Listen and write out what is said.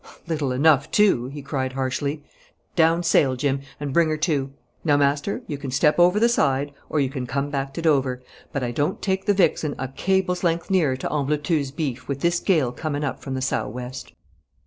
'Little enough, too!' he cried harshly. 'Down sail, Jim, and bring her to! Now, master, you can step over the side, or you can come back to Dover, but I don't take the Vixen a cable's length nearer to Ambleteuse Beef with this gale coming up from the sou' west.'